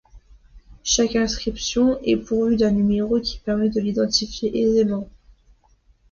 Chaque inscription est pourvue d'un numéro qui permet de l'identifier aisément.